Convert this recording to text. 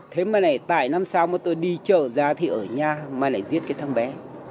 thế mà này tại năm sau mà tôi đi chợ ra thì ở nhà mà này giết cái thằng bé